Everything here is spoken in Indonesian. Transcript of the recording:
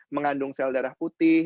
mengandung sel darah putih